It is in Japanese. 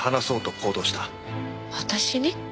私に？